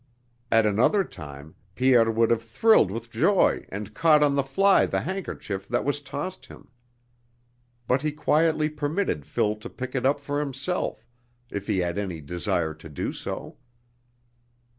At another time Pierre would have thrilled with joy and caught on the fly the handkerchief that was tossed him. But he quietly permitted Philip to pick it up for himself if he had any desire to do so.